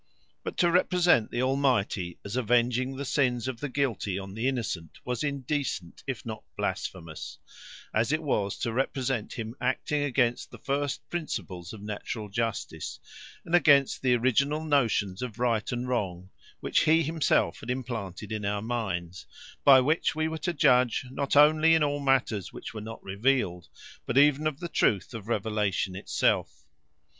But to represent the Almighty as avenging the sins of the guilty on the innocent, was indecent, if not blasphemous, as it was to represent him acting against the first principles of natural justice, and against the original notions of right and wrong, which he himself had implanted in our minds; by which we were to judge not only in all matters which were not revealed, but even of the truth of revelation itself.